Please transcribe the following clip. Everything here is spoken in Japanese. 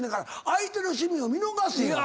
相手の趣味を見逃せよ。